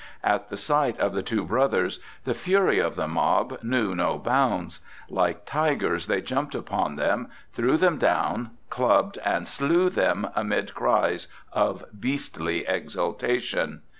At the sight of the two brothers the fury of the mob knew no bounds. Like tigers they jumped upon them, threw them down, clubbed and slew them amid cries of beastly exultation.